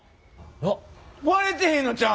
割れてへんのちゃうん！？